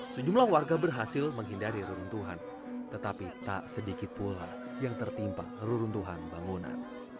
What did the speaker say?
sejumlah warga berhasil menghindari reruntuhan tetapi tak sedikit pula yang tertimpa reruntuhan bangunan